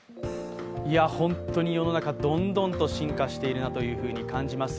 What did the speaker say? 本当に世の中、どんどん進化しているなと感じます。